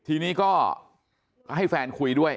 ทีนี้ก็ให้แฟนคุยด้วย